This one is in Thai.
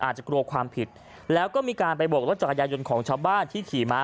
อาจจะกลัวความผิดแล้วก็มีการไปบวกรถจักรยายนต์ของชาวบ้านที่ขี่มา